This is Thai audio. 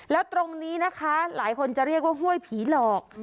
แล้วตรงนี้นะคะหลายคนจะเรียกว่าห้วยผีหลอก